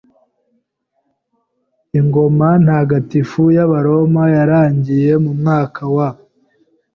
Ingoma ntagatifu y'Abaroma yarangiye mu mwaka wa .